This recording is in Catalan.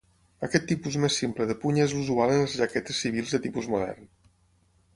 Aquest tipus més simple de puny és l'usual en les jaquetes civils de tipus modern.